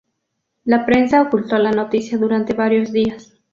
La prensa ocultó la noticia durante varios días.